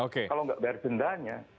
kalau gak bayar dendanya